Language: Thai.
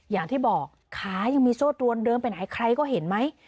อย่างที่บอกขายังมีโซ่ตรวนเดินไปไหนใครก็เห็นไหม